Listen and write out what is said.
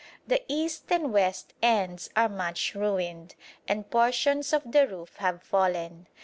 The east and west ends are much ruined, and portions of the roof have fallen.